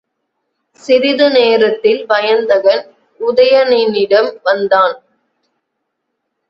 சிறிது நேரத்தில் வயந்தகன் உதயணனிடம் வந்தான்.